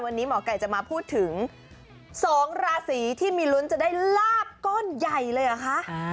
วันนี้หมอไก่จะมาพูดถึง๒ราศีที่มีลุ้นจะได้ลาบก้อนใหญ่เลยเหรอคะ